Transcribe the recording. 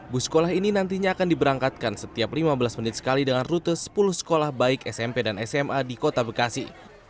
bus sekolah ini nantinya akan diberangkatkan setiap lima belas menit sekali dengan rute sepuluh sekolah baik smp dan sma di kota bekasi